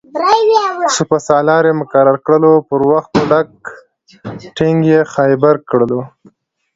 سپه سالار یې مقرر کړلو-پروت په ډکه ټینګ یې خیبر کړلو